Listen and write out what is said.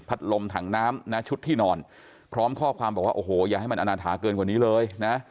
ลมถังน้ำนะชุดที่นอนพร้อมข้อความบอกว่าโอ้โหอย่าให้มันอนาถาเกินกว่านี้เลยนะ